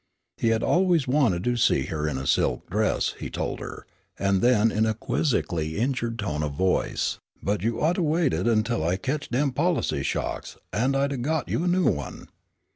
He had always wanted to see her in a silk dress, he told her, and then in a quizzically injured tone of voice, "but you ought to waited tell I ketched dem policy sha'ks an' I'd 'a' got you a new one."